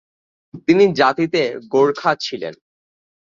তিনি জাতিতে গোর্খা ছিলেন।